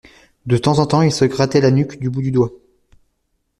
De temps en temps il se grattait la nuque du bout du doigt.